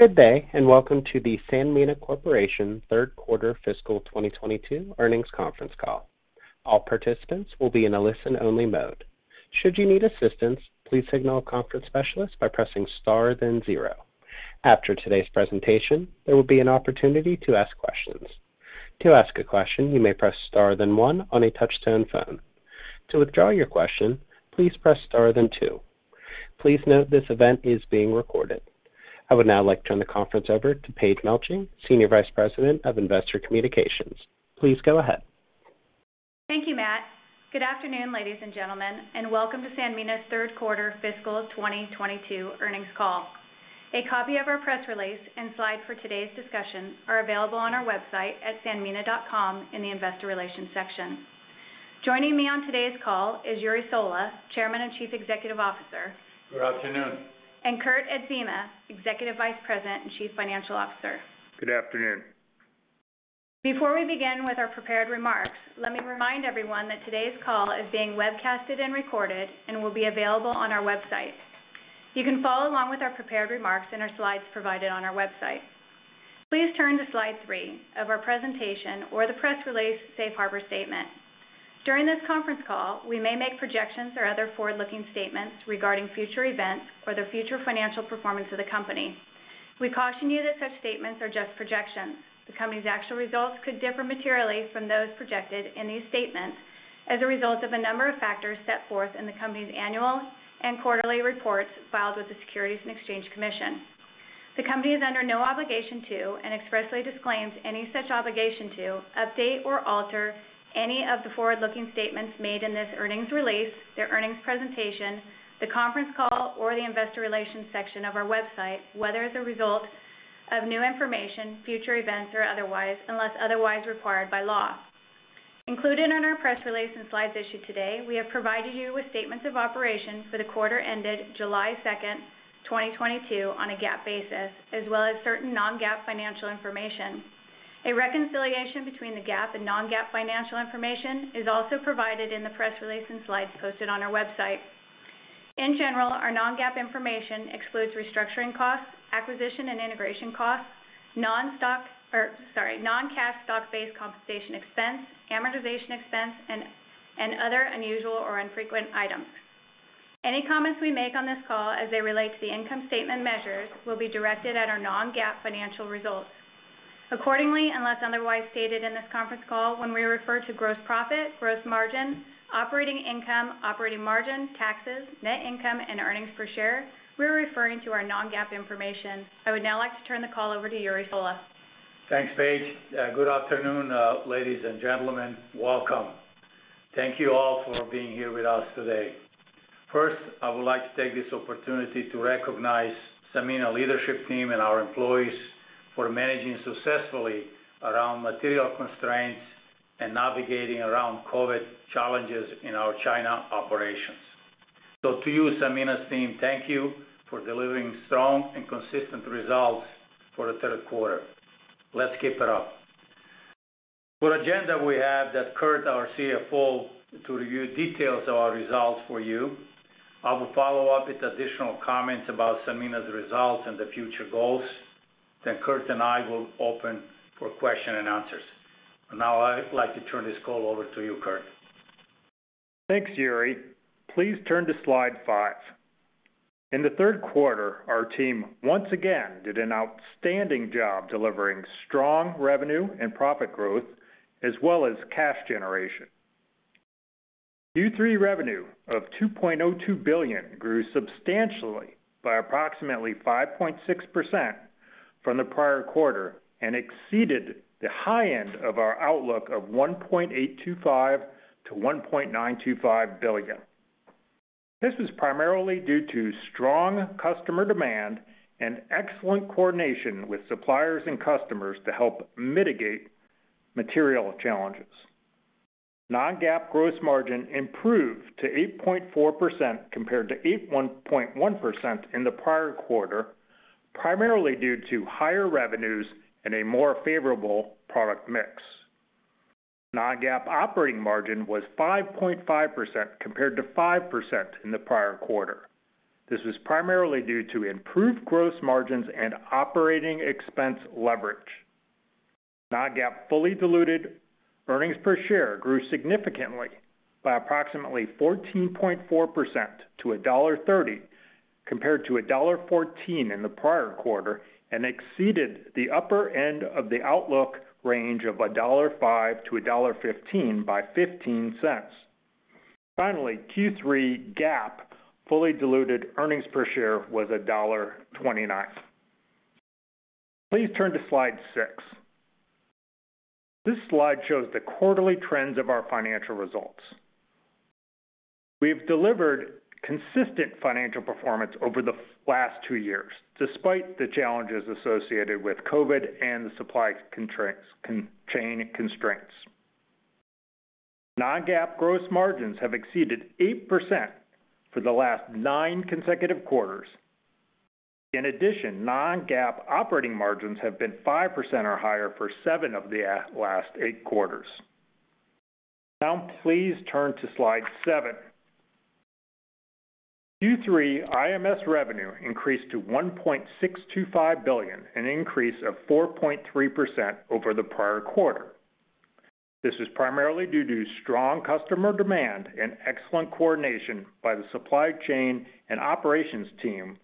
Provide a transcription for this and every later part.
Good day, and welcome to the Sanmina Corporation Third Quarter Fiscal 2022 Earnings Conference Call. All participants will be in a listen-only mode. Should you need assistance, please signal a conference specialist by pressing star then zero. After today's presentation, there will be an opportunity to ask questions. To ask a question, you may press star then one on a touch-tone phone. To withdraw your question, please press star then two. Please note this event is being recorded. I would now like to turn the conference over to Paige Melching, Senior Vice President of Investor Communications. Please go ahead. Thank you, Matt. Good afternoon, ladies and gentlemen, and welcome to Sanmina's Third Quarter Fiscal 2022 Earnings Call. A copy of our press release and slides for today's discussion are available on our website at sanmina.com in the investor relations section. Joining me on today's call is Jure Sola, Chairman and Chief Executive Officer. Good afternoon. Kurt Adzema, Executive Vice President and Chief Financial Officer. Good afternoon. Before we begin with our prepared remarks, let me remind everyone that today's call is being webcasted and recorded and will be available on our website. You can follow along with our prepared remarks in our slides provided on our website. Please turn to slide three of our presentation or the press release safe harbor statement. During this conference call, we may make projections or other forward-looking statements regarding future events or the future financial performance of the company. We caution you that such statements are just projections. The company's actual results could differ materially from those projected in these statements as a result of a number of factors set forth in the company's annual and quarterly reports filed with the Securities and Exchange Commission. The company is under no obligation to, and expressly disclaims any such obligation to, update or alter any of the forward-looking statements made in this earnings release, their earnings presentation, the conference call, or the investor relations section of our website, whether as a result of new information, future events, or otherwise, unless otherwise required by law. Included in our press release and slides issued today, we have provided you with statements of operations for the quarter ended July 2nd, 2022 on a GAAP basis, as well as certain non-GAAP financial information. A reconciliation between the GAAP and non-GAAP financial information is also provided in the press release and slides posted on our website. In general, our non-GAAP information excludes restructuring costs, acquisition and integration costs, non-cash stock-based compensation expense, amortization expense, and other unusual or infrequent items. Any comments we make on this call as they relate to the income statement measures will be directed at our non-GAAP financial results. Accordingly, unless otherwise stated in this conference call, when we refer to gross profit, gross margin, operating income, operating margin, taxes, net income, and earnings per share, we're referring to our non-GAAP information. I would now like to turn the call over to Jure Sola. Thanks, Paige. Good afternoon, ladies and gentlemen. Welcome. Thank you all for being here with us today. First, I would like to take this opportunity to recognize Sanmina leadership team and our employees for managing successfully around material constraints and navigating around COVID challenges in our China operations. To you, Sanmina's team, thank you for delivering strong and consistent results for the third quarter. Let's keep it up. For agenda, we have that Kurt, our CFO, to review details of our results for you. I will follow up with additional comments about Sanmina's results and the future goals. Kurt and I will open for question and answers. Now, I'd like to turn this call over to you, Kurt. Thanks, Jure. Please turn to slide five. In the third quarter, our team once again did an outstanding job delivering strong revenue and profit growth as well as cash generation. Q3 revenue of $2.02 billion grew substantially by approximately 5.6% from the prior quarter and exceeded the high end of our outlook of $1.825 billion-$1.925 billion. This is primarily due to strong customer demand and excellent coordination with suppliers and customers to help mitigate material challenges. Non-GAAP gross margin improved to 8.4% compared to 8.1% in the prior quarter, primarily due to higher revenues and a more favorable product mix. Non-GAAP operating margin was 5.5% compared to 5% in the prior quarter. This was primarily due to improved gross margins and operating expense leverage. Non-GAAP fully diluted earnings per share grew significantly by approximately 14.4% to $1.30, compared to $1.14 in the prior quarter, and exceeded the upper end of the outlook range of $1.05-$1.15 by $0.15. Finally, Q3 GAAP fully diluted earnings per share was $1.29. Please turn to slide six. This slide shows the quarterly trends of our financial results. We've delivered consistent financial performance over the last two years, despite the challenges associated with COVID and the supply chain constraints. Non-GAAP gross margins have exceeded 8% for the last nine consecutive quarters. In addition, non-GAAP operating margins have been 5% or higher for seven of the last eight quarters. Now please turn to slide seven. Q3 IMS revenue increased to $1.625 billion, an increase of 4.3% over the prior quarter. This is primarily due to strong customer demand and excellent coordination by the supply chain and operations team,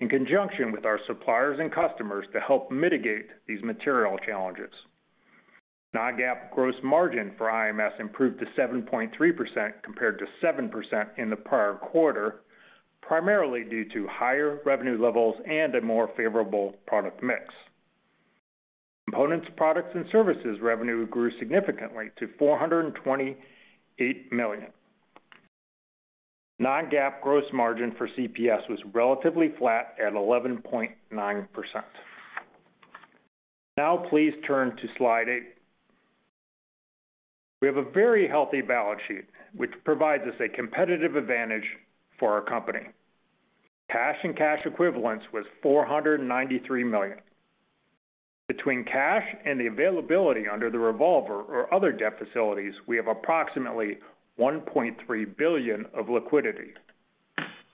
in conjunction with our suppliers and customers to help mitigate these material challenges. Non-GAAP gross margin for IMS improved to 7.3% compared to 7% in the prior quarter, primarily due to higher revenue levels and a more favorable product mix. Components, products, and services revenue grew significantly to $428 million. Non-GAAP gross margin for CPS was relatively flat at 11.9%. Now please turn to slide eight. We have a very healthy balance sheet, which provides us a competitive advantage for our company. Cash and cash equivalents was $493 million. Between cash and the availability under the revolver or other debt facilities, we have approximately $1.3 billion of liquidity.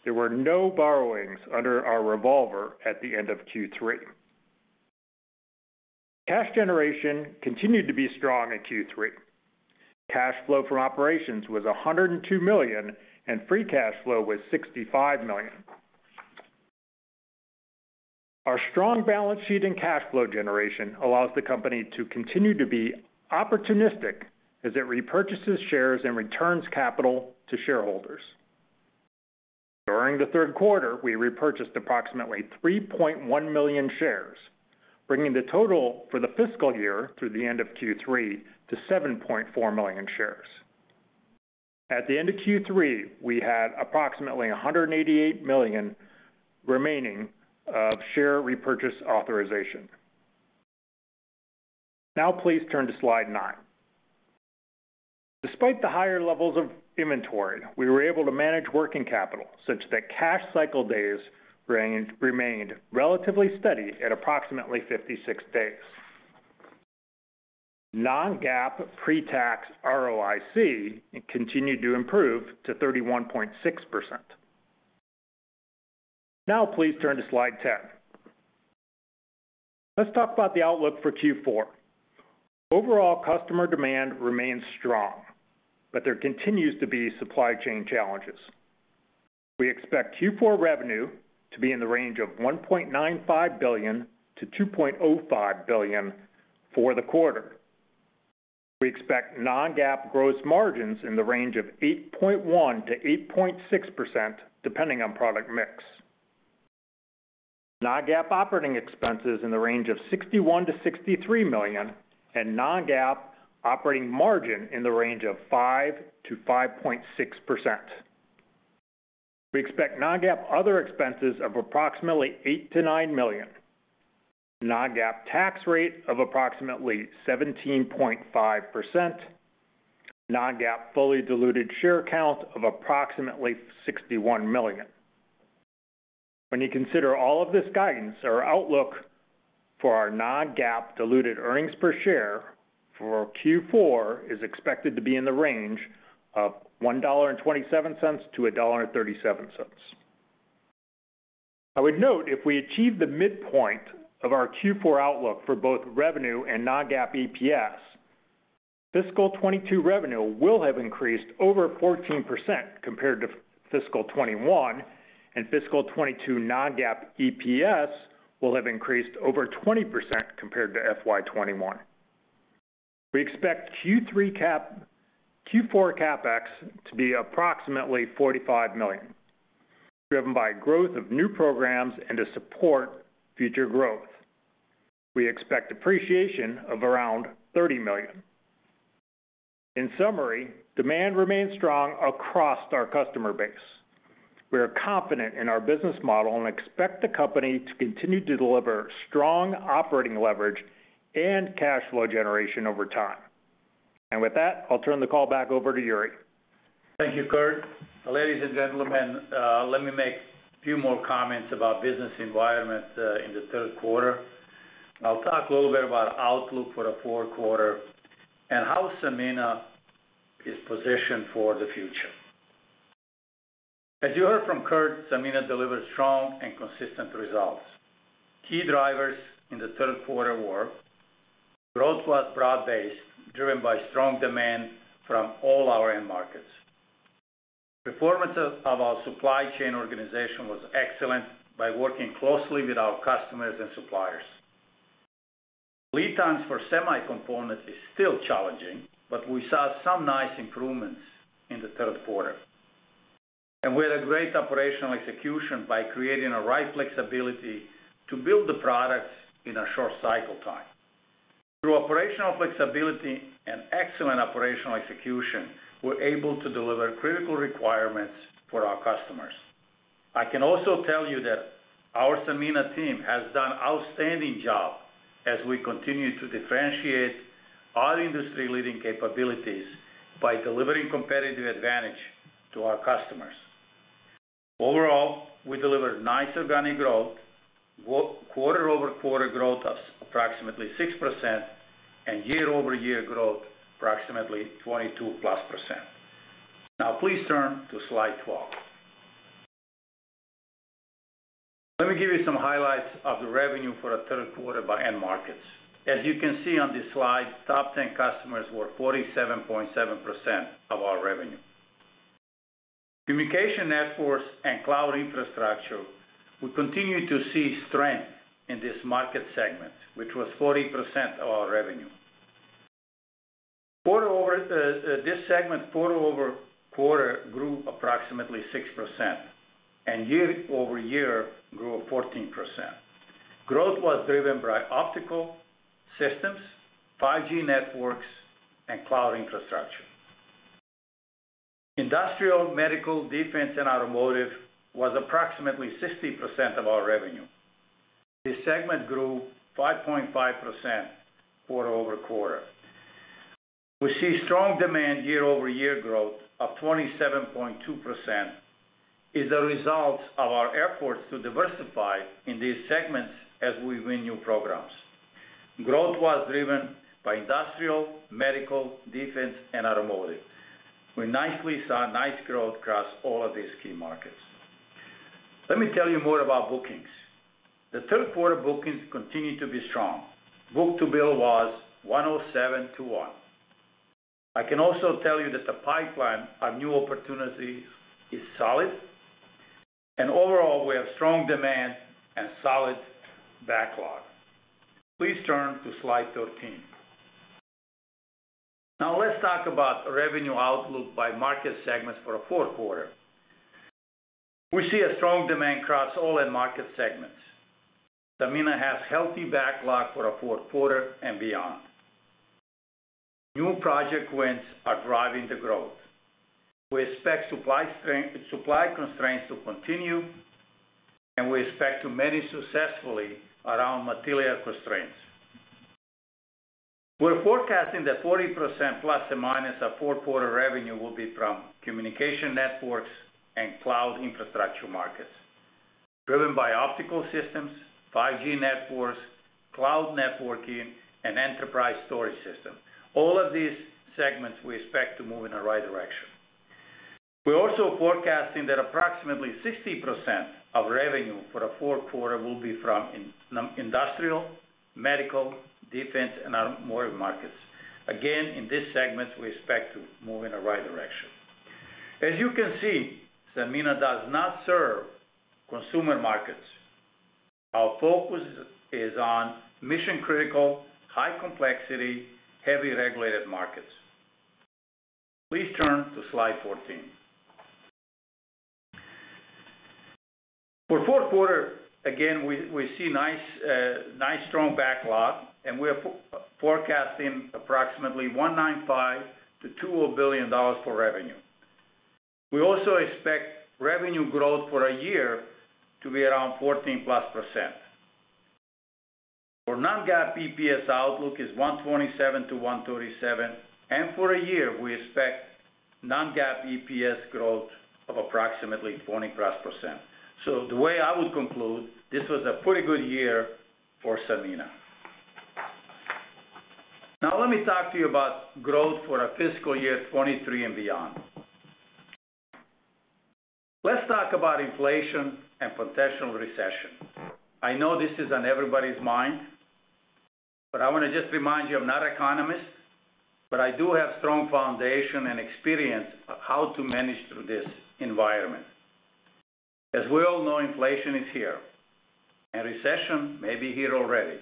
There were no borrowings under our revolver at the end of Q3. Cash generation continued to be strong in Q3. Cash flow from operations was $102 million, and free cash flow was $65 million. Our strong balance sheet and cash flow generation allows the company to continue to be opportunistic as it repurchases shares and returns capital to shareholders. During the third quarter, we repurchased approximately 3.1 million shares, bringing the total for the fiscal year through the end of Q3 to 7.4 million shares. At the end of Q3, we had approximately $188 million remaining of share repurchase authorization. Now please turn to slide nine. Despite the higher levels of inventory, we were able to manage working capital such that cash cycle days remained relatively steady at approximately 56 days. Non-GAAP pre-tax ROIC continued to improve to 31.6%. Now please turn to slide 10. Let's talk about the outlook for Q4. Overall customer demand remains strong, but there continues to be supply chain challenges. We expect Q4 revenue to be in the range of $1.95 billion-$2.05 billion for the quarter. We expect non-GAAP gross margins in the range of 8.1%-8.6% depending on product mix. Non-GAAP operating expenses in the range of $61 million-63 million, and non-GAAP operating margin in the range of 5%-5.6%. We expect non-GAAP other expenses of approximately $8 million-9 million. Non-GAAP tax rate of approximately 17.5%. Non-GAAP fully diluted share count of approximately 61 million. When you consider all of this guidance, our outlook for our non-GAAP diluted earnings per share for Q4 is expected to be in the range of $1.27-$1.37. I would note if we achieve the midpoint of our Q4 outlook for both revenue and non-GAAP EPS, fiscal 2022 revenue will have increased over 14% compared to fiscal 2021, and fiscal 2022 non-GAAP EPS will have increased over 20% compared to FY 2021. We expect Q4 CapEx to be approximately $45 million, driven by growth of new programs and to support future growth. We expect depreciation of around $30 million. In summary, demand remains strong across our customer base. We are confident in our business model and expect the company to continue to deliver strong operating leverage and cash flow generation over time. With that, I'll turn the call back over to Jure. Thank you, Kurt. Ladies and gentlemen, let me make a few more comments about business environment in the third quarter. I'll talk a little bit about outlook for the fourth quarter and how Sanmina is positioned for the future. As you heard from Kurt, Sanmina delivered strong and consistent results. Key drivers in the third quarter were growth was broad-based, driven by strong demand from all our end markets. Performance of our supply chain organization was excellent by working closely with our customers and suppliers. Lead times for semi components is still challenging, but we saw some nice improvements in the third quarter. We had a great operational execution by creating a right flexibility to build the products in a short cycle time. Through operational flexibility and excellent operational execution, we're able to deliver critical requirements for our customers. I can also tell you that our Sanmina team has done outstanding job as we continue to differentiate our industry-leading capabilities by delivering competitive advantage to our customers. Overall, we delivered nice organic growth, quarter-over-quarter growth of approximately 6%, and year-over-year growth approximately 22%+. Now please turn to slide 12. Let me give you some highlights of the revenue for the third quarter by end markets. As you can see on this slide, top 10 customers were 47.7% of our revenue. Communication networks and cloud infrastructure, we continue to see strength in this market segment, which was 40% of our revenue. This segment quarter-over-quarter grew approximately 6%, and year-over-year grew 14%. Growth was driven by optical systems, 5G networks, and cloud infrastructure. Industrial, medical, defense, and automotive was approximately 60% of our revenue. This segment grew 5.5% quarter-over-quarter. We see strong demand. Year-over-year growth of 27.2% is the result of our efforts to diversify in these segments as we win new programs. Growth was driven by industrial, medical, defense, and automotive. We nicely saw nice growth across all of these key markets. Let me tell you more about bookings. The third quarter bookings continued to be strong. Book-to-bill was 1.07 to 1. I can also tell you that the pipeline of new opportunities is solid, and overall, we have strong demand and solid backlog. Please turn to slide 13. Now let's talk about revenue outlook by market segments for the fourth quarter. We see a strong demand across all end market segments. Sanmina has healthy backlog for the fourth quarter and beyond. New project wins are driving the growth. We expect supply constraints to continue, and we expect to manage successfully around material constraints. We're forecasting that 40% ± of fourth quarter revenue will be from communication networks and cloud infrastructure markets, driven by optical systems, 5G networks, cloud networking, and enterprise storage system. All of these segments we expect to move in the right direction. We're also forecasting that approximately 60% of revenue for the fourth quarter will be from industrial, medical, defense, and automotive markets. Again, in this segment, we expect to move in the right direction. As you can see, Sanmina does not serve consumer markets. Our focus is on mission-critical, high complexity, heavily regulated markets. Please turn to slide 14. For fourth quarter, again, we see nice strong backlog, and we're forecasting approximately $1.95 billion-$2 billion for revenue. We also expect revenue growth for a year to be around 14%+. For non-GAAP EPS outlook is 1.27-1.37, and for a year, we expect non-GAAP EPS growth of approximately 20%+. The way I would conclude, this was a pretty good year for Sanmina. Now let me talk to you about growth for our fiscal year 2023 and beyond. Let's talk about inflation and potential recession. I know this is on everybody's mind, but I wanna just remind you, I'm not an economist, but I do have strong foundation and experience of how to manage through this environment. As we all know, inflation is here, and recession may be here already.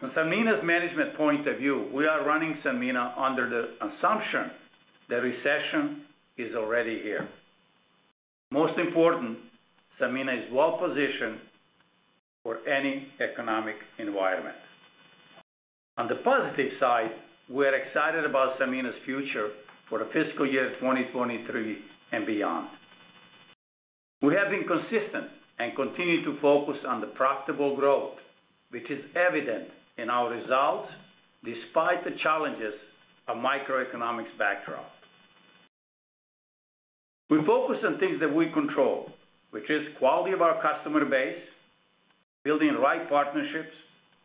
From Sanmina's management point of view, we are running Sanmina under the assumption that recession is already here. Most important, Sanmina is well-positioned for any economic environment. On the positive side, we're excited about Sanmina's future for the fiscal year 2023 and beyond. We have been consistent and continue to focus on the profitable growth, which is evident in our results despite the challenges of macroeconomic backdrop. We focus on things that we control, which is quality of our customer base, building the right partnerships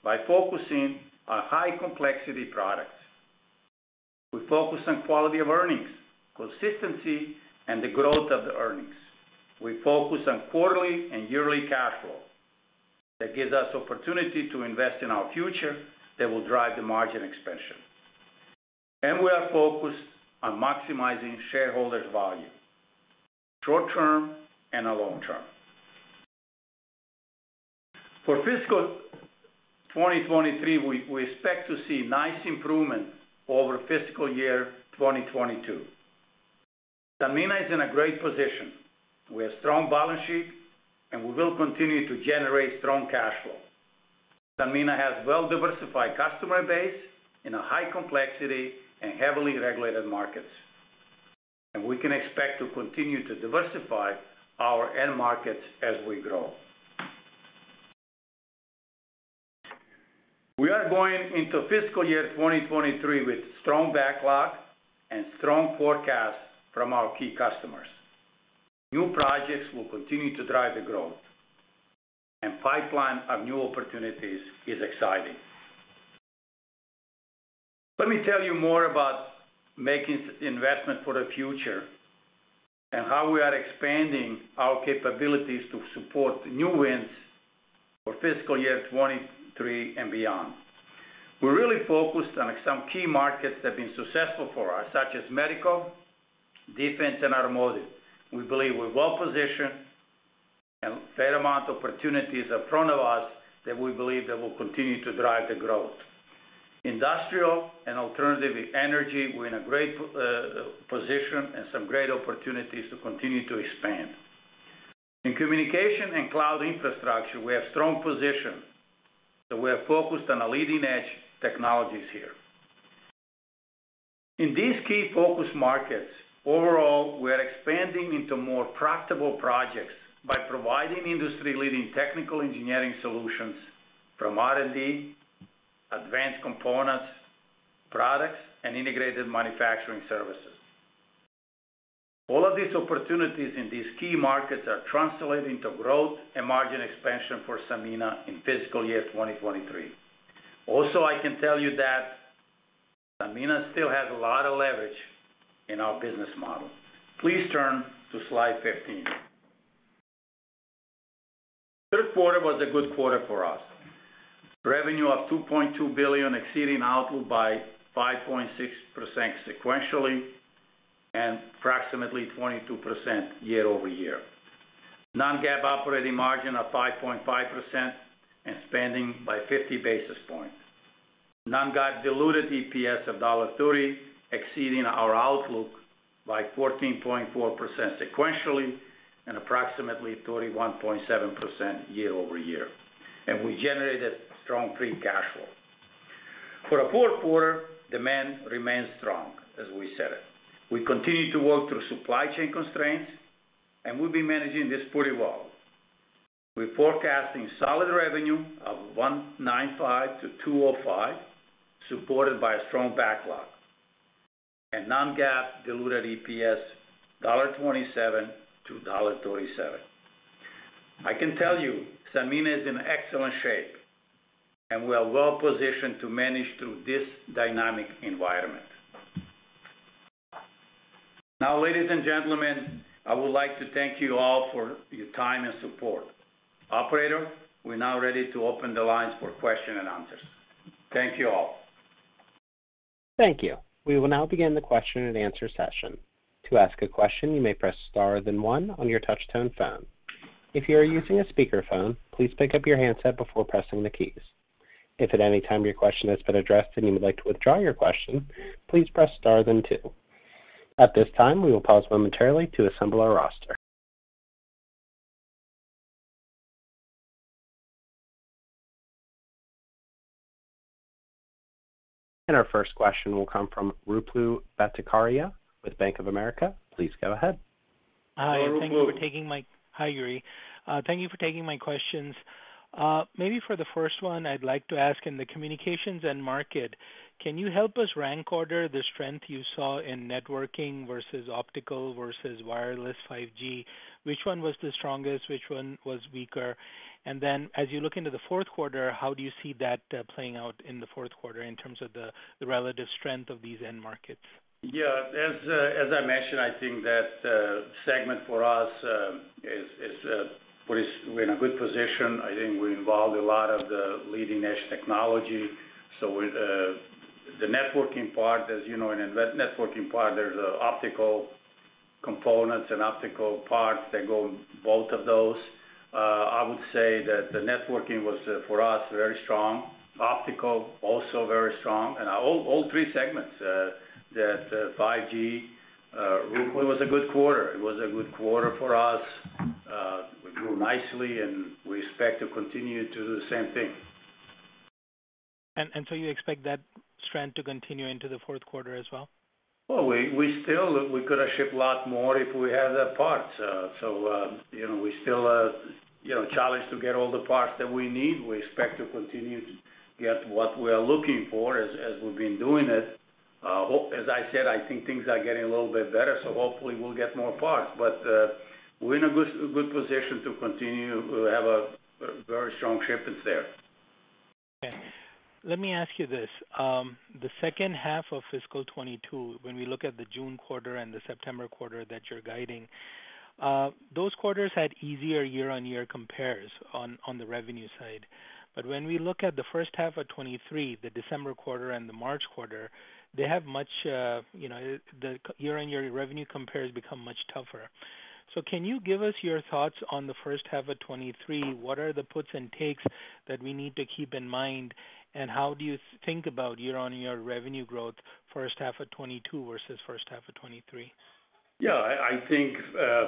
by focusing on high complexity products. We focus on quality of earnings, consistency, and the growth of the earnings. We focus on quarterly and yearly cash flow. That gives us opportunity to invest in our future that will drive the margin expansion. We are focused on maximizing shareholders' value, short-term and on long-term. For fiscal 2023, we expect to see nice improvement over fiscal year 2022. Sanmina is in a great position. We have strong balance sheet, and we will continue to generate strong cash flow. Sanmina has well-diversified customer base in a high-complexity and heavily regulated markets. We can expect to continue to diversify our end markets as we grow. We are going into fiscal year 2023 with strong backlog and strong forecasts from our key customers. New projects will continue to drive the growth, and pipeline of new opportunities is exciting. Let me tell you more about making some investment for the future and how we are expanding our capabilities to support new wins for fiscal year 2023 and beyond. We're really focused on some key markets that have been successful for us, such as medical, defense, and automotive. We believe we're well-positioned and a fair amount of opportunities are in front of us that we believe will continue to drive the growth. Industrial and alternative energy, we're in a great position and some great opportunities to continue to expand. In communication and cloud infrastructure, we have strong position, so we are focused on the leading-edge technologies here. In these key focus markets, overall, we are expanding into more profitable projects by providing industry-leading technical engineering solutions from R&D, advanced components, products, and integrated manufacturing services. All of these opportunities in these key markets are translating to growth and margin expansion for Sanmina in fiscal year 2023. Also, I can tell you that Sanmina still has a lot of leverage in our business model. Please turn to slide 15. Third quarter was a good quarter for us. Revenue of $2.2 billion exceeding output by 5.6% sequentially and approximately 22% year over year. Non-GAAP operating margin of 5.5% and expanding by 50 basis points. Non-GAAP diluted EPS of $1.30 exceeding our outlook by 14.4% sequentially and approximately 31.7% year over year. We generated strong free cash flow. For the fourth quarter, demand remains strong, as we said. We continue to work through supply chain constraints, and we've been managing this pretty well. We're forecasting solid revenue of $1.95 billion-$2.05 billion, supported by a strong backlog. Non-GAAP diluted EPS, $1.27 to $1.37. I can tell you Sanmina is in excellent shape, and we are well-positioned to manage through this dynamic environment. Now, ladies and gentlemen, I would like to thank you all for your time and support. Operator, we're now ready to open the lines for questions and answers. Thank you all. Thank you. We will now begin the question-and-answer session. To ask a question, you may press star then one on your touch-tone phone. If you are using a speakerphone, please pick up your handset before pressing the keys. If at any time your question has been addressed and you would like to withdraw your question, please press star then two. At this time, we will pause momentarily to assemble our roster. Our first question will come from Ruplu Bhattacharya with Bank of America. Please go ahead. Ruplu. Hi, Jure. Thank you for taking my questions. Maybe for the first one, I'd like to ask in the communications end market, can you help us rank order the strength you saw in networking versus optical versus wireless 5G? Which one was the strongest? Which one was weaker? As you look into the fourth quarter, how do you see that playing out in the fourth quarter in terms of the relative strength of these end markets? Yeah. As I mentioned, I think that segment for us is we're in a good position. I think we're involved in a lot of the leading-edge technology. With the networking part, as you know, in its networking part, there's optical components and optical parts that go into both of those. I would say that the networking was for us very strong. Optical also very strong. All three segments, the 5G, it was a good quarter. It was a good quarter for us. We grew nicely, and we expect to continue to do the same thing. You expect that trend to continue into the fourth quarter as well? Well, we still could have shipped a lot more if we had the parts. You know, we still you know challenged to get all the parts that we need. We expect to continue to get what we are looking for as we've been doing it. As I said, I think things are getting a little bit better, so hopefully we'll get more parts. We're in a good position to continue. We have a very strong shipments there. Okay. Let me ask you this. The second half of fiscal 2022, when we look at the June quarter and the September quarter that you're guiding, those quarters had easier year-on-year compares on the revenue side. But when we look at the first half of 2023, the December quarter and the March quarter, they have much year-on-year revenue compares become much tougher. Can you give us your thoughts on the first half of 2023? What are the puts and takes that we need to keep in mind, and how do you think about year-on-year revenue growth first half of 2022 versus first half of 2023? Yeah. I think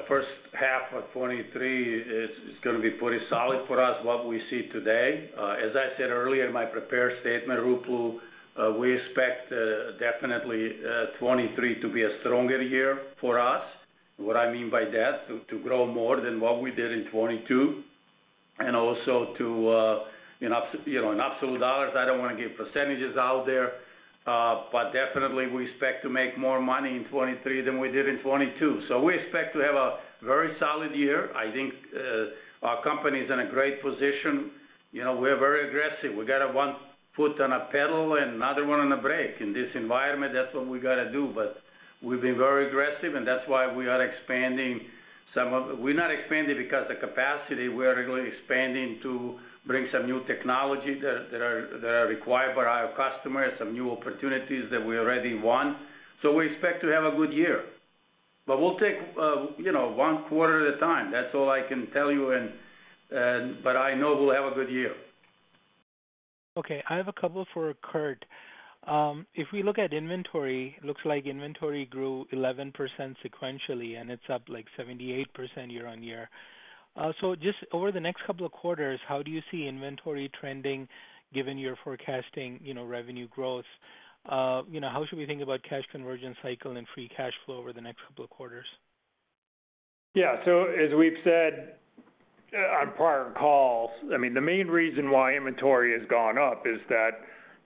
first half of 2023 is gonna be pretty solid for us, what we see today. As I said earlier in my prepared statement, Ruplu, we expect definitely 2023 to be a stronger year for us. What I mean by that, to grow more than what we did in 2022, and also to you know in absolute dollars, I don't wanna give percentages out there. But definitely we expect to make more money in 2023 than we did in 2022. We expect to have a very solid year. I think our company's in a great position. You know, we're very aggressive. We got one foot on a pedal and another one on a brake. In this environment, that's what we gotta do. We've been very aggressive, and that's why we are expanding. We're not expanding because the capacity, we're really expanding to bring some new technology that are required by our customers, some new opportunities that we already won. We expect to have a good year. We'll take, you know, one quarter at a time. That's all I can tell you and, but I know we'll have a good year. Okay. I have a couple for Kurt. If we look at inventory, looks like inventory grew 11% sequentially, and it's up, like, 78% year-on-year. Just over the next couple of quarters, how do you see inventory trending given your forecasting, you know, revenue growth? You know, how should we think about cash conversion cycle and free cash flow over the next couple of quarters? Yeah. As we've said on prior calls, I mean, the main reason why inventory has gone up is that,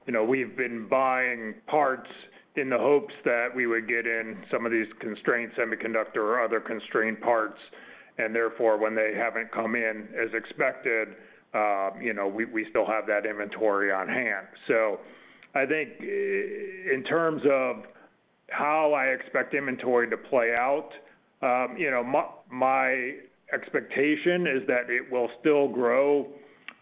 you know, we've been buying parts in the hopes that we would get in some of these constrained semiconductor or other constrained parts. Therefore, when they haven't come in as expected, you know, we still have that inventory on hand. I think in terms of how I expect inventory to play out, you know, my expectation is that it will still grow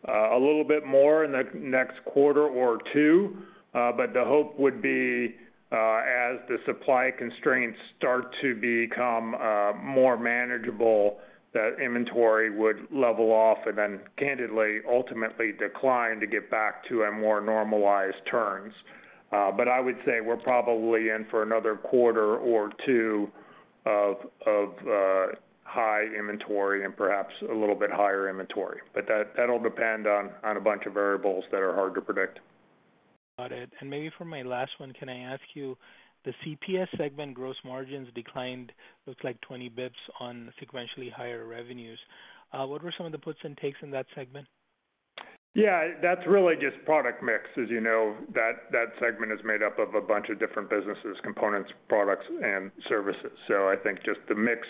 a little bit more in the next quarter or two. The hope would be, as the supply constraints start to become more manageable, that inventory would level off and then candidly, ultimately decline to get back to a more normalized terms. I would say we're probably in for another quarter or two of high inventory and perhaps a little bit higher inventory. That'll depend on a bunch of variables that are hard to predict. Got it. Maybe for my last one, can I ask you, the CPS segment gross margins declined, looks like 20 basis points on sequentially higher revenues. What were some of the puts and takes in that segment? Yeah. That's really just product mix. As you know, that segment is made up of a bunch of different businesses, Components, Products and Services. I think just the mix,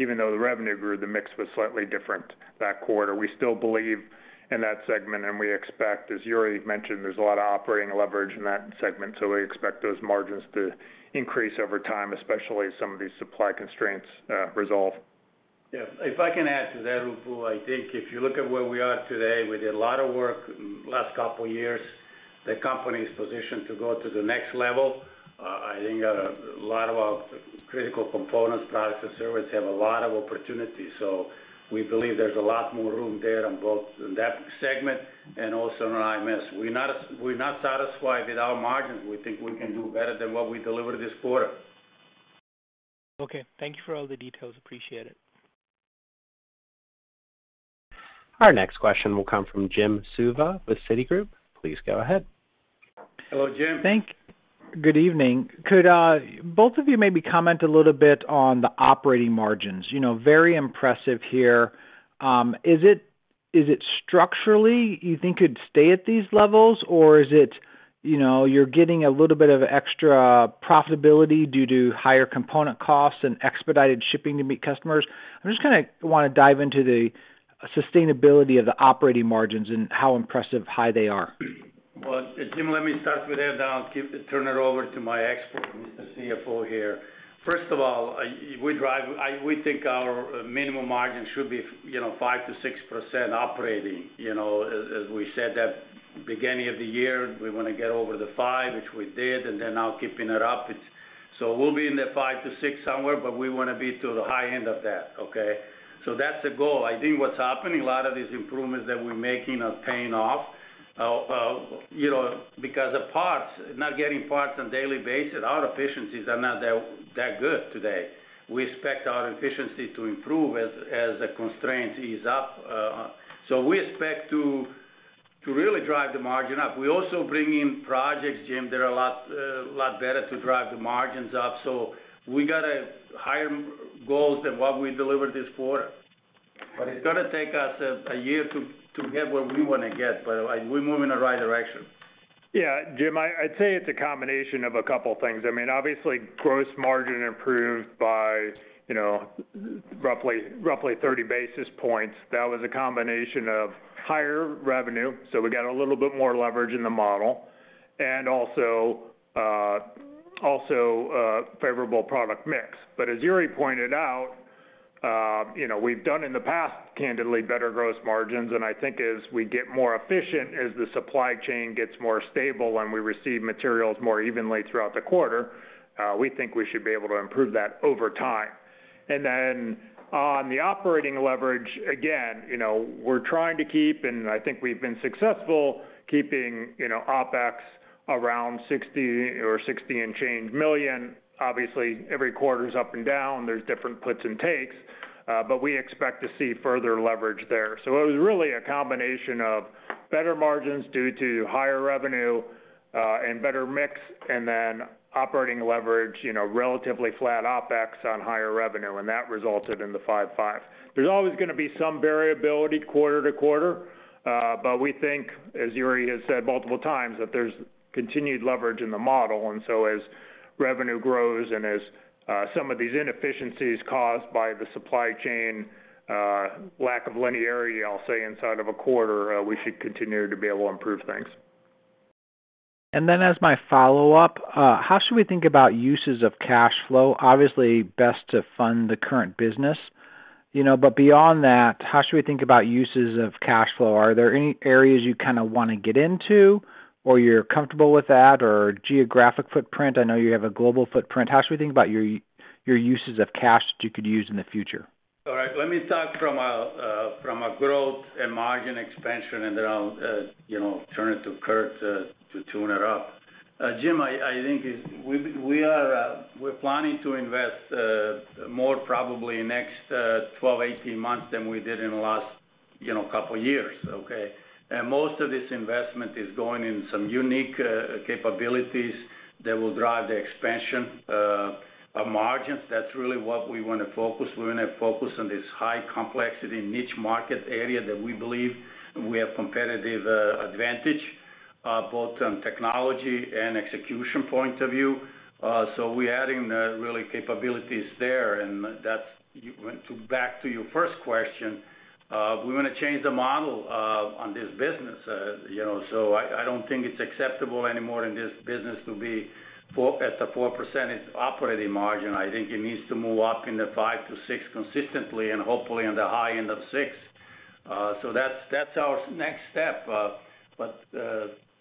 even though the revenue grew, the mix was slightly different that quarter. We still believe in that segment, and we expect, as Jure mentioned, there's a lot of operating leverage in that segment. We expect those margins to increase over time, especially some of these supply constraints resolve. Yeah. If I can add to that, Ruplu, I think if you look at where we are today, we did a lot of work last couple years. The company is positioned to go to the next level. I think a lot of our critical components, products and services have a lot of opportunity. We believe there's a lot more room there on both that segment and also on IMS. We're not satisfied with our margins. We think we can do better than what we delivered this quarter. Okay. Thank you for all the details. Appreciate it. Our next question will come from Jim Suva with Citigroup. Please go ahead. Hello, Jim. Good evening. Could both of you maybe comment a little bit on the operating margins? You know, very impressive here. Is it structurally you think it could stay at these levels, or is it, you know, you're getting a little bit of extra profitability due to higher component costs and expedited shipping to meet customers? I'm just wanna dive into the sustainability of the operating margins and how impressively high they are. Well, Jim, let me start with that, then I'll turn it over to my expert CFO here. First of all, we think our minimum margin should be, you know, 5%-6% operating. You know, as we said at beginning of the year, we wanna get over the 5%, which we did, and then now keeping it up. We'll be in the 5%-6% somewhere, but we wanna be to the high end of that, okay? That's the goal. I think what's happening, a lot of these improvements that we're making are paying off. You know, because not getting parts on a daily basis, our efficiencies are not that good today. We expect our efficiency to improve as the constraint ease up. We expect to really drive the margin up. We're also bringing projects, Jim, that are a lot better to drive the margins up. We got a higher goals than what we delivered this quarter, but it's gonna take us a year to get where we wanna get, but we're moving in the right direction. Yeah, Jim, I'd say it's a combination of a couple things. I mean, obviously, gross margin improved by, you know, roughly 30 basis points. That was a combination of higher revenue, so we got a little bit more leverage in the model, and also favorable product mix. But as Jure pointed out, you know, we've done in the past, candidly, better gross margins, and I think as we get more efficient, as the supply chain gets more stable and we receive materials more evenly throughout the quarter, we think we should be able to improve that over time. Then on the operating leverage, again, you know, we're trying to keep, and I think we've been successful, keeping, you know, OpEx around $60 million or $60 million and change. Obviously, every quarter's up and down. There's different puts and takes. But we expect to see further leverage there. It was really a combination of better margins due to higher revenue, and better mix, and then operating leverage, you know, relatively flat OpEx on higher revenue, and that resulted in the 5%, 5%. There's always gonna be some variability quarter to quarter, but we think, as Jure has said multiple times, that there's continued leverage in the model. As revenue grows and as some of these inefficiencies caused by the supply chain, lack of linearity, I'll say, inside of a quarter, we should continue to be able to improve things. As my follow-up, how should we think about uses of cash flow? Obviously, best to fund the current business, you know. Beyond that, how should we think about uses of cash flow? Are there any areas you kinda wanna get into or you're comfortable with that or geographic footprint? I know you have a global footprint. How should we think about your uses of cash that you could use in the future? All right. Let me talk from a growth and margin expansion, and then I'll, you know, turn it to Kurt to tune it up. Jim, we are planning to invest more probably in next 12, 18 months than we did in the last, you know, couple years, okay? Most of this investment is going in some unique capabilities that will drive the expansion of margins. That's really what we wanna focus. We wanna focus on this high complexity niche market area that we believe we have competitive advantage both on technology and execution point of view. We're adding really capabilities there, and that's, you went back to your first question, we wanna change the model on this business. I don't think it's acceptable anymore in this business to be at a 4% operating margin. I think it needs to move up into 5%-6% consistently and hopefully in the high end of 6%. That's our next step. But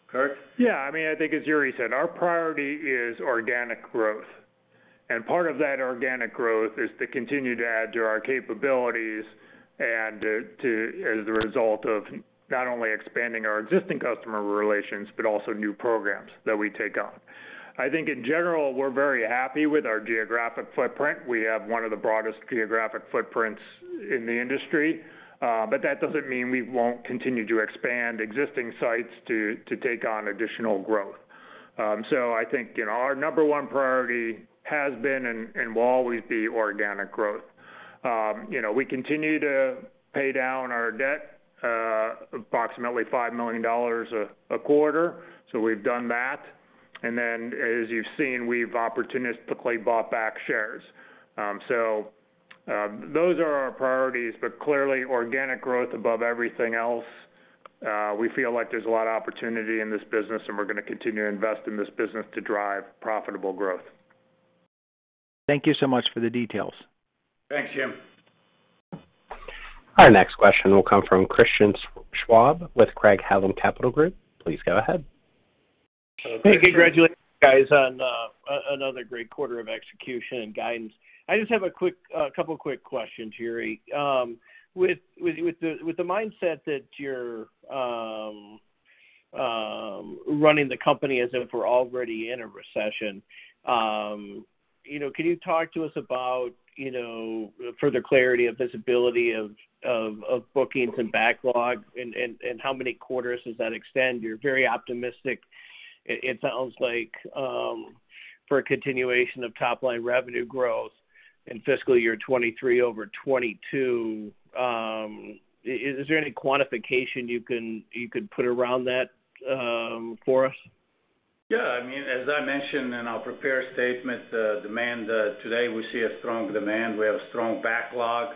Kurt? Yeah. I mean, I think as Jure said, our priority is organic growth. Part of that organic growth is to continue to add to our capabilities and, as a result of not only expanding our existing customer relations, but also new programs that we take on. I think in general, we're very happy with our geographic footprint. We have one of the broadest geographic footprints in the industry, but that doesn't mean we won't continue to expand existing sites to take on additional growth. I think, you know, our number one priority has been and will always be organic growth. You know, we continue to pay down our debt, approximately $5 million a quarter. We've done that. As you've seen, we've opportunistically bought back shares. Those are our priorities. Clearly organic growth above everything else. We feel like there's a lot of opportunity in this business, and we're gonna continue to invest in this business to drive profitable growth. Thank you so much for the details. Thanks, Jim. Our next question will come from Christian Schwab with Craig-Hallum Capital Group. Please go ahead. Hey, congratulations, guys, on another great quarter of execution and guidance. I just have a couple of quick questions, Jure. With the mindset that you're running the company as if we're already in a recession, you know, can you talk to us about, you know, further clarity or visibility of bookings and backlog and how many quarters does that extend? You're very optimistic, it sounds like, for a continuation of top-line revenue growth in fiscal year 2023 over 2022. Is there any quantification you could put around that, for us? Yeah. I mean, as I mentioned in our prepared statement, the demand today we see a strong demand. We have strong backlog.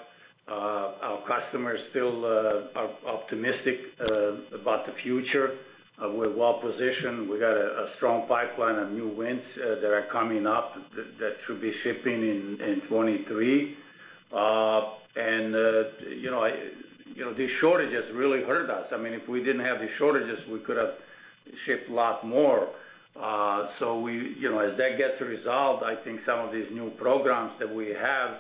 Our customers still are optimistic about the future. We're well-positioned. We got a strong pipeline of new wins that are coming up that should be shipping in 2023. You know, these shortages really hurt us. I mean, if we didn't have these shortages, we could have shipped a lot more. You know, as that gets resolved, I think some of these new programs that we have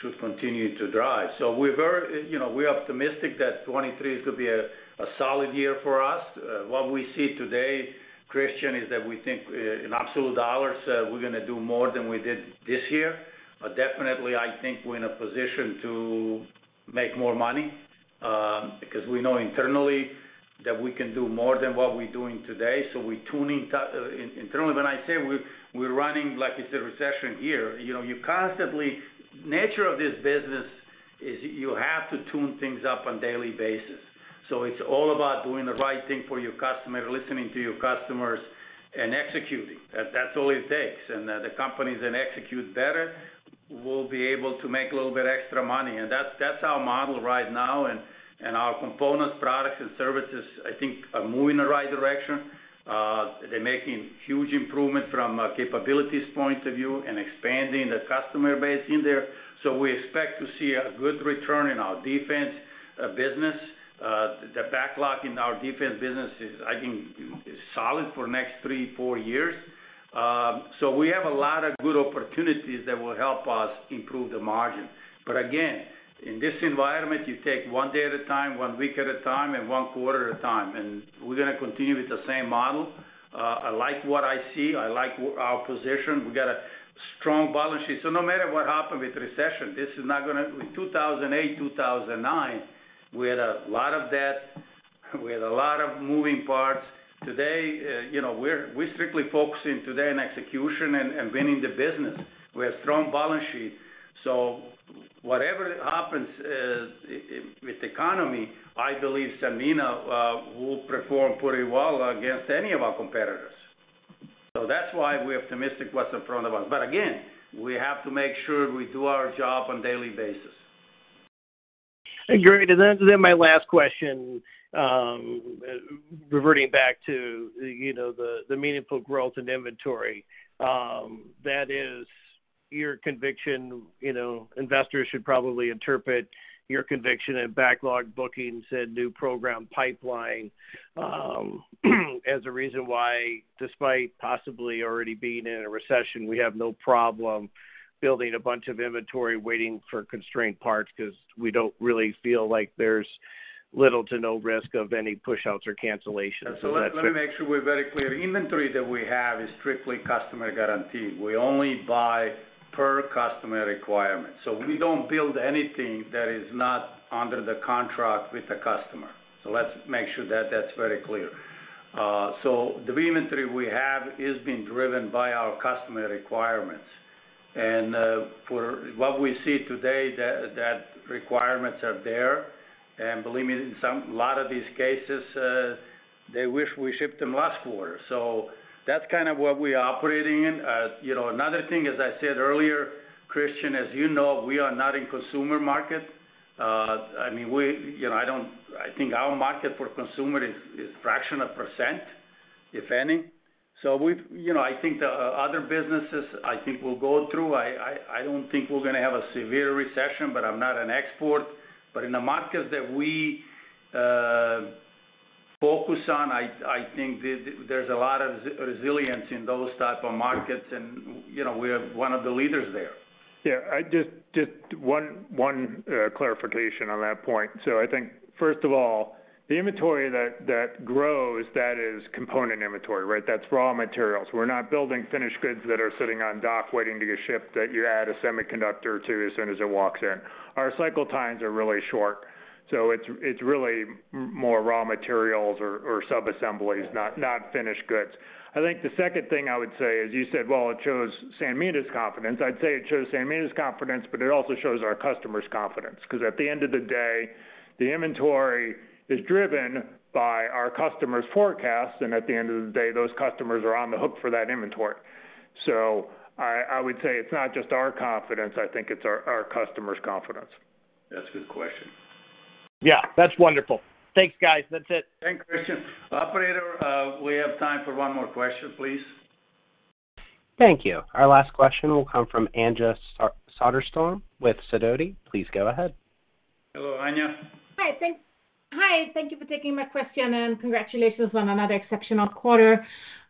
should continue to drive. You know, we're optimistic that 2023 is gonna be a solid year for us. What we see today, Christian, is that we think in absolute dollars, we're gonna do more than we did this year. Definitely, I think we're in a position to make more money, because we know internally that we can do more than what we're doing today. We're tuning internally when I say we're running like it's a recession year, you know, you constantly. Nature of this business is you have to tune things up on daily basis. It's all about doing the right thing for your customer, listening to your customers and executing. That's all it takes. The companies that execute better will be able to make a little bit extra money. That's our model right now. Our Components, Products and Services, I think are moving in the right direction. They're making huge improvement from a capabilities point of view and expanding the customer base in there. We expect to see a good return in our defense business. The backlog in our defense business is, I think, solid for next three, four years. We have a lot of good opportunities that will help us improve the margin. Again, in this environment, you take one day at a time, one week at a time, and one quarter at a time, and we're gonna continue with the same model. I like what I see. I like our position. We got a strong balance sheet. No matter what happen with recession, this is not gonna. In 2008, 2009, we had a lot of debt, we had a lot of moving parts. Today, you know, we're strictly focusing today on execution and winning the business. We have strong balance sheet. Whatever happens with the economy, I believe Sanmina will perform pretty well against any of our competitors. That's why we're optimistic what's in front of us. Again, we have to make sure we do our job on daily basis. Great. My last question, reverting back to, you know, the meaningful growth in inventory, that is your conviction. You know, investors should probably interpret your conviction in backlog bookings and new program pipeline, as a reason why, despite possibly already being in a recession, we have no problem building a bunch of inventory waiting for constrained parts, 'cause we don't really feel like there's little to no risk of any pushouts or cancellations. Let me make sure we're very clear. Inventory that we have is strictly customer guaranteed. We only buy per customer requirement. We don't build anything that is not under the contract with the customer. Let's make sure that that's very clear. The inventory we have is being driven by our customer requirements. For what we see today, that requirements are there. Believe me, in a lot of these cases, they wish we shipped them last quarter. That's kind of what we're operating in. You know, another thing, as I said earlier, Christian, as you know, we are not in consumer market. I mean, you know, I think our market for consumer is fraction of percent, if any. You know, I think the other businesses, I think will go through. I don't think we're gonna have a severe recession, but I'm not an expert. In the markets that we focus on, I think there's a lot of resilience in those type of markets and, you know, we're one of the leaders there. Yeah. I just one clarification on that point. I think first of all, the inventory that grows, that is component inventory, right? That's raw materials. We're not building finished goods that are sitting on dock waiting to get shipped, that you add a semiconductor to as soon as it walks in. Our cycle times are really short, so it's really more raw materials or sub-assemblies, not finished goods. I think the second thing I would say is, you said, well, it shows Sanmina's confidence. I'd say it shows Sanmina's confidence, but it also shows our customers' confidence, 'cause at the end of the day, the inventory is driven by our customers' forecasts, and at the end of the day, those customers are on the hook for that inventory. I would say it's not just our confidence. I think it's our customers' confidence. That's a good question. Yeah. That's wonderful. Thanks, guys. That's it. Thanks, Christian. Operator, we have time for one more question, please. Thank you. Our last question will come from Anja Soderstrom with Sidoti. Please go ahead. Hello, Anja. Hi, thank you for taking my question, and congratulations on another exceptional quarter.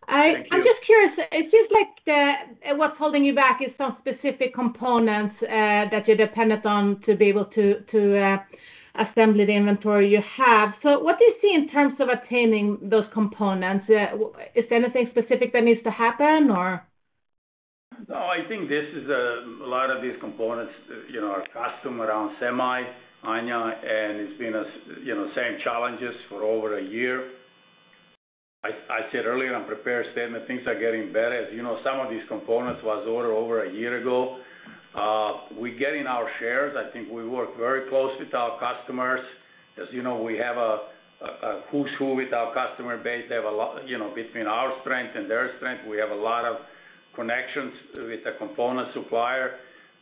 Thank you. I'm just curious. It seems like, what's holding you back is some specific components that you're dependent on to be able to assemble the inventory you have. What do you see in terms of obtaining those components? Is there anything specific that needs to happen or? No, I think this is a lot of these components, you know, are custom around semi, Anja, and it's been, you know, same challenges for over a year. I said earlier in prepared statement, things are getting better. As you know, some of these components was ordered over a year ago. We're getting our shares. I think we work very closely to our customers. As you know, we have a who's who with our customer base. They have a lot. You know, between our strength and their strength, we have a lot of connections with the component supplier.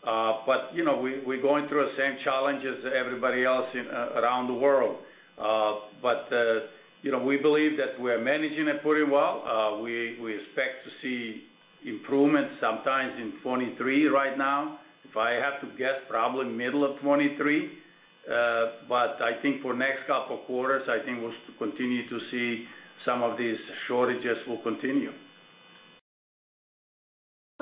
But, you know, we're going through the same challenge as everybody else around the world. But you know, we believe that we are managing it pretty well. We expect to see improvement sometime in 2023 right now. If I have to guess, probably middle of 2023. I think for next couple quarters, I think we'll continue to see some of these shortages will continue.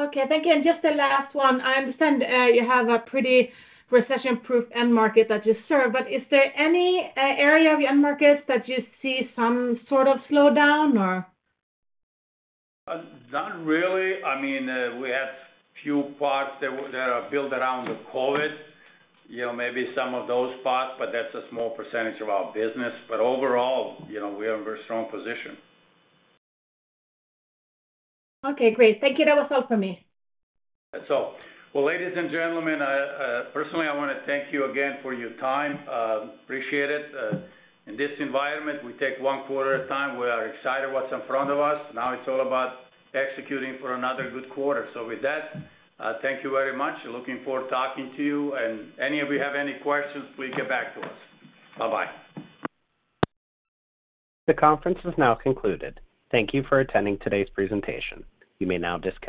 Okay. Thank you. Just a last one. I understand, you have a pretty recession-proof end market that you serve, but is there any, area of your end markets that you see some sort of slowdown or? Not really. I mean, we had few parts that are built around the COVID. You know, maybe some of those parts, but that's a small percentage of our business. Overall, you know, we are in very strong position. Okay, great. Thank you. That was all for me. That's all. Well, ladies and gentlemen, personally, I wanna thank you again for your time. Appreciate it. In this environment, we take one quarter at a time. We are excited what's in front of us. Now it's all about executing for another good quarter. So with that, thank you very much. Looking forward to talking to you. Any of you have any questions, please get back to us. Bye-bye. The conference is now concluded. Thank you for attending today's presentation. You may now disconnect.